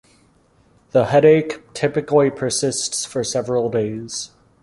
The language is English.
The headache typically persists for several days.